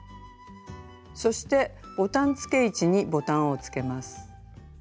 そしてボタンつけ位置にボタンをつけます。